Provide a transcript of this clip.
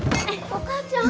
お母ちゃん！